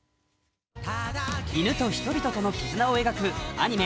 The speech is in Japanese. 犬と人々との絆を描くアニメ